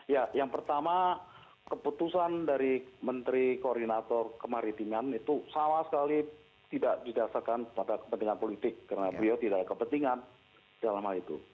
ya yang pertama keputusan dari menteri koordinator kemaritiman itu sama sekali tidak didasarkan pada kepentingan politik karena beliau tidak ada kepentingan dalam hal itu